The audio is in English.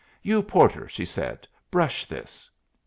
"You porter," she said, "brush this."